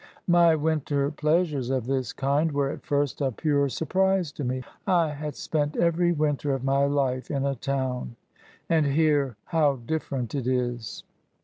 My winter pleasures of this kind were, at first, a pure surprise to me. I had spent every winter of my life in a town ; and here, how diflferent it is